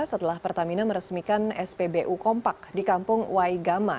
setelah pertamina meresmikan spbu kompak di kampung waigama